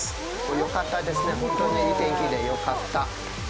よかったですね、本当にいい天気でよかった。